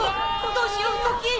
どうしようトキ！